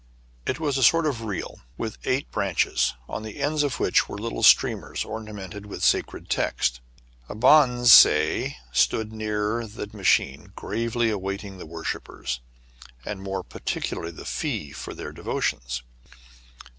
It was a sort of reel with eight branches, on the ends of which were little streamers ornamented with sacred texts. A bonze stood near the ma chine, gravely awaiting worshippers, and more particularly the fee for their devotions.